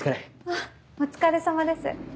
あっお疲れさまです。